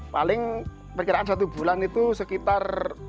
paling perkiraan satu bulan itu sekitar perkiraan dua ratus lah